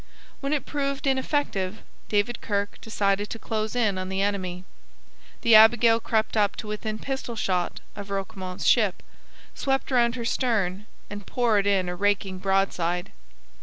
When it proved ineffective, David Kirke decided to close in on the enemy. The Abigail crept up to within pistol shot of Roquemont's ship, swept round her stern, and poured in a raking broadside.